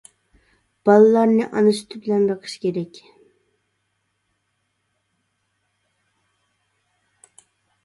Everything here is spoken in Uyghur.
بالىلارنى ئانا سۈتى بىلەن بېقىش كېرەك.